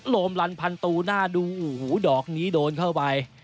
โลมลันพันตูหน้าดูโอ้โหดอกนี้โดนเข้าไป